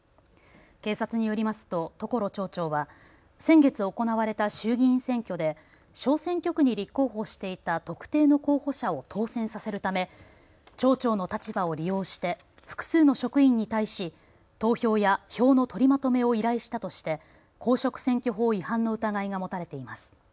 警察によりますと所町長は先月行われた衆議院選挙で小選挙区に立候補していた特定の候補者を当選させるため町長の立場を利用して複数の職員に対し投票や票の取りまとめを依頼したとして公職選挙法違反の疑いが持たれています。